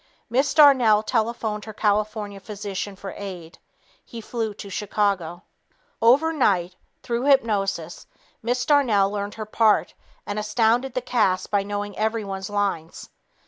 Miss Darnell telephoned her California physician for aid. He flew to Chicago. Overnight, through hypnosis, Miss Darnell learned her part and astounded the cast by knowing everyone's lines.